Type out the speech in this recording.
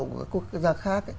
của các quốc gia khác